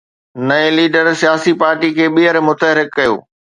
نئين ليڊر سياسي پارٽيءَ کي ٻيهر متحرڪ ڪيو